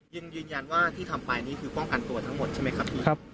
ยืนยันว่าที่ทำไปนี่คือป้องกันตัวทั้งหมดใช่ไหมครับพี่